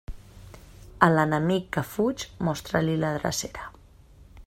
A l'enemic que fuig, mostra-li la drecera.